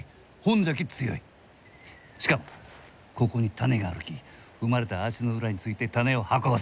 しかもここに種があるき踏まれた足の裏について種を運ばせる。